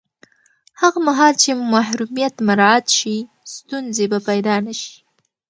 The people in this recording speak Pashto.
هغه مهال چې محرمیت مراعت شي، ستونزې به پیدا نه شي.